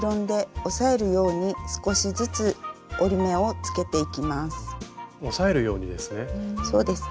押さえるようにですね。